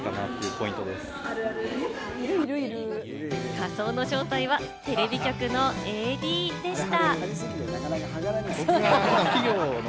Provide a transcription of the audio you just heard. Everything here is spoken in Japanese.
仮装の正体はテレビ局のＡＤでした。